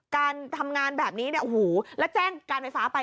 การทำงานแบบนี้แล้วแจ้งการไฟฟ้าไป